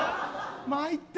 まいった！